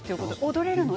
踊れるの？